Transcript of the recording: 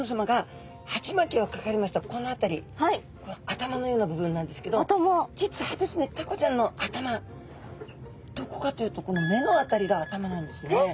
頭のような部分なんですけど実はですねタコちゃんの頭どこかというとこの目のあたりが頭なんですね。え？